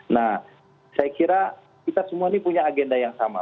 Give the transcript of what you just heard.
nah saya kira kita semua ini punya agenda yang sama